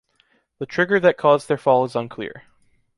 The trigger that caused their fall is unclear.